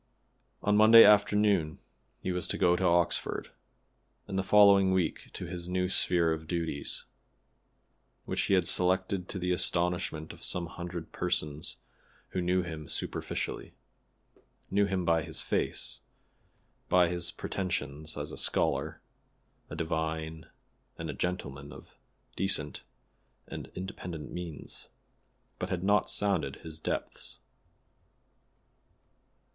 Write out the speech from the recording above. On Monday afternoon he was to go to Oxford, and the following week to his new sphere of duties, which he had selected to the astonishment of some hundred persons who knew him superficially knew him by his face, by his pretensions as a scholar, a divine and a gentleman of descent and independent means, but had not sounded his depths.